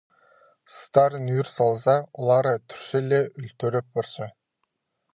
Састарын ӱр салза, олары тӱрче ле ӱлтӱреп парча.